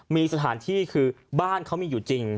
มีสถานที่คือบ้านเขามีอยู่จริง